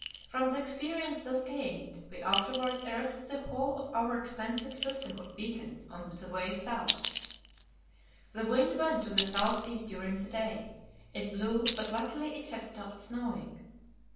From the experience thus gained, we afterwards erected the whole of our extensive system of beacons on the way south. The wind went to the south east during the day; it blew, but luckily it had stopped snowing.